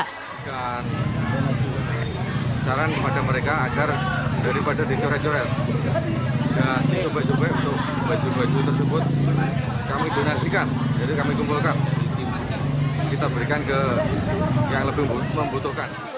kami donasikan jadi kami kumpulkan kita berikan ke yang lebih membutuhkan